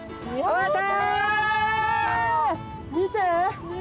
終わった！